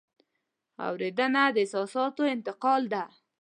اورېدنه د احساساتو انتقال ده.